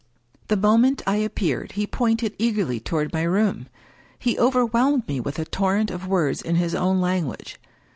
The moment I appeared he pointed eagerly toward my room. He overwhelmed me with a torrent of words in his own language.